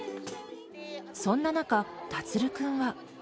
そんな中、樹君は。